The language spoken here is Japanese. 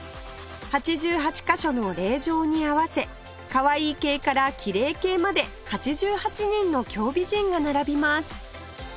８８カ所の霊場に合わせかわいい系からきれい系まで８８人の京美人が並びます